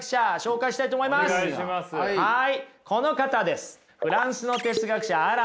はい。